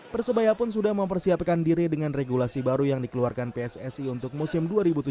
persebaya pun sudah mempersiapkan diri dengan regulasi baru yang dikeluarkan pssi untuk musim dua ribu tujuh belas